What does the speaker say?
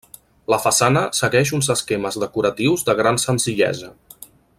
La façana segueix uns esquemes decoratius de gran senzillesa.